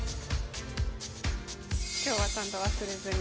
今日はちゃんと忘れずに。